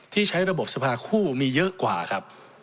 ที่ใช้ระบบสภาคู่มีเยอะกว่าครับ